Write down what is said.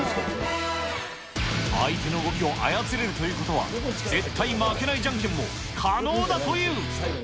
相手の動きを操れるということは、絶対負けないじゃんけんも可能だという。